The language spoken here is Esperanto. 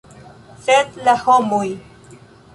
Sed la homoj!